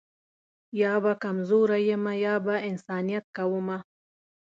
یا به کمزوری یمه یا به انسانیت کومه